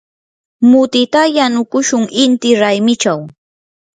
mutita yanukushun inti raymichaw.